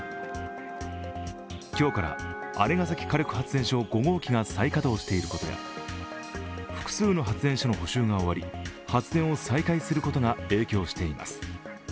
今日から姉崎火力発電所５号機が再稼働していることや、複数の発電所の補修が終わり発電が再開することが影響しています。